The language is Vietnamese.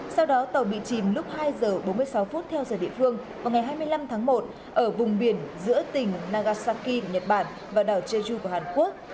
sau đó tàu bị chìm lúc hai giờ bốn mươi sáu phút theo giờ địa phương vào ngày hai mươi năm tháng một ở vùng biển giữa tỉnh nagasaki của nhật bản và đảo jeju của hàn quốc